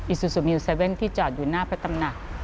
อิสุสุมิว๗๑๐คันที่จอดอยู่หน้าพระตำรัส